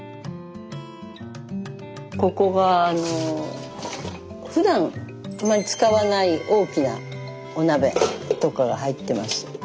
ここがふだんあんまり使わない大きなお鍋とかが入ってます。